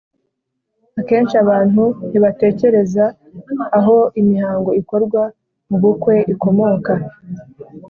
Akenshi abantu ntibatekereza aho imihango ikorwa mu bukwe ikomoka